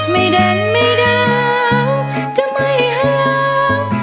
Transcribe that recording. เด่นไม่ดังจะไม่ห่าง